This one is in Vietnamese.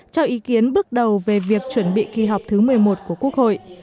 cho ý kiến bước đầu về việc chuẩn bị kỳ họp thứ một mươi một của quốc hội